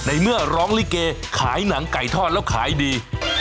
เมื่อร้องลิเกขายหนังไก่ทอดแล้วขายดี